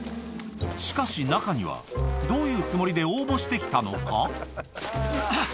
しかし中には、どういうつもりで応募してきたのか？